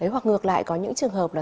hoặc ngược lại có những trường hợp là